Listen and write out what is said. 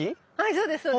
そうです。